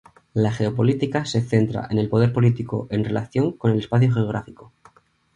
La geopolítica se centra en el poder político en relación con el espacio geográfico.